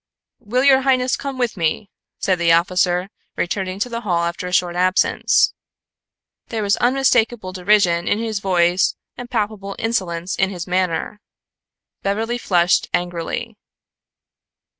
"Will your highness come with me?" said the officer, returning to the hall after a short absence. There was unmistakable derision in his voice and palpable insolence in his manner. Beverly flushed angrily.